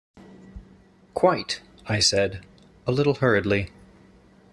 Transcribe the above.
"Quite," I said, a little hurriedly.